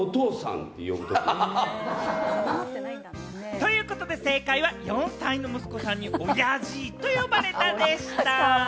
ということで正解は、４歳の息子さんに、おやじと呼ばれたでした。